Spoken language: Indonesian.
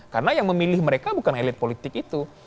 karena yang memilih mereka bukan elit politik itu